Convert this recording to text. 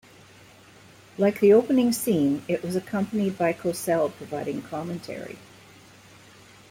Like the opening scene, it was accompanied by Cosell providing commentary.